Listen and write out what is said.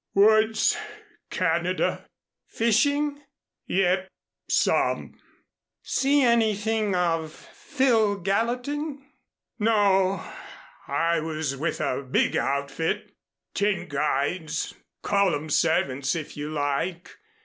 "Woods Canada." "Fishing?" "Yep some." "See anything of Phil Gallatin?" "No. I was with a big outfit ten guides, call 'em servants, if you like.